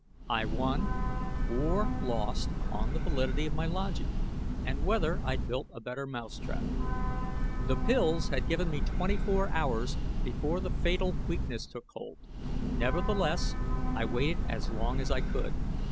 I won or lost on the validity of my logic and whether I'd built a better mousetrap. The pills had given me 24 hours before the fatal weakness took hold; nevertheless, I waited as long as I could.